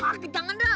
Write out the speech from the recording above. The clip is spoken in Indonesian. kaki tangan dah